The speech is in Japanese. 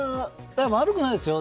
悪くないですよ。